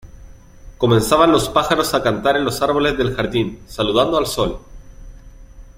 comenzaban los pájaros a cantar en los árboles del jardín, saludando al sol ,